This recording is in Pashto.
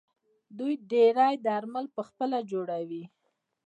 دوی ډیری درمل پخپله جوړوي.